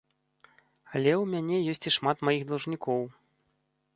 Але ў мяне ёсць і шмат маіх даўжнікоў.